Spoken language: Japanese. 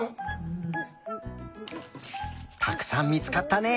たくさん見つかったね！